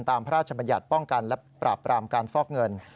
พระราชบัญญัติป้องกันและปราบปรามการฟอกเงิน